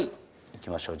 いきましょう。